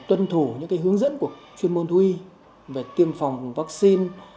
tuân thủ những cái hướng dẫn của chuyên môn thu y về tiêm phòng vaccine